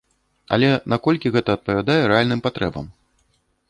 Але наколькі гэта адпавядае рэальным патрэбам?